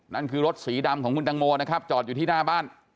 นั่นคือรถสีดำของคุณตังโมนะครับจอดอยู่ที่หน้าบ้าน